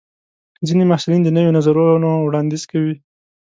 ځینې محصلین د نویو نظرونو وړاندیز کوي.